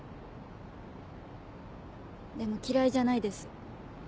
でも嫌いじゃないです。